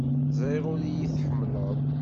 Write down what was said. Ẓriɣ ur iyi-tḥemmleḍ.